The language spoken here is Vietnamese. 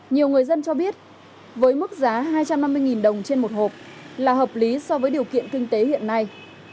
nhiều người dân cho biết với mức giá hai trăm năm mươi đồng trên một hộp là hợp lý so với điều kiện kinh tế hiện nay